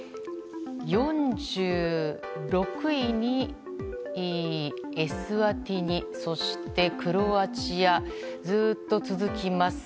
４６位にエスワティニそしてクロアチアずっと続きます。